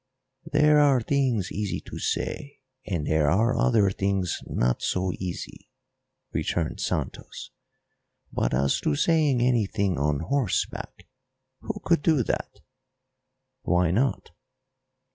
"There are things easy to say, and there are other things not so easy," returned Santos. "But as to saying anything on horseback, who could do that?" "Why not?"